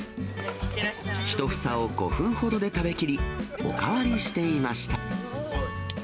１房を５分ほどで食べきり、おかわりしていました。